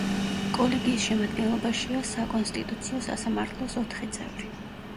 კოლეგიის შემადგენლობაშია საკონსტიტუციო სასამართლოს ოთხი წევრი.